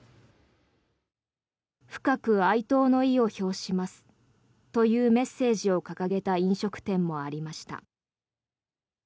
深く哀悼の意を表しますというメッセージを掲げた飲食店もありました。